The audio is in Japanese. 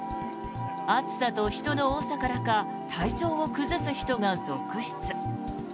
暑さと人の多さからか体調を崩す人が続出。